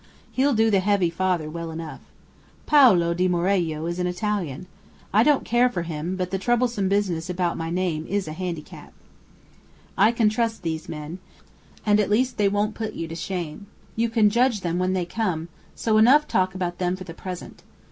He'll do the heavy father well enough. Paolo di Morello is an Italian. I don't care for him; but the troublesome business about my name is a handicap. "I can trust these men. And at least they won't put you to shame. You can judge them when they come, so enough talk about them for the present!